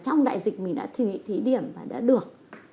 ông đại dịch mình đã thí điểm và đã được